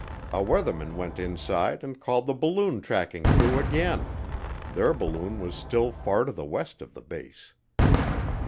A weatherman went inside and called the balloon tracking crew again their balloon was still far to the west of the base.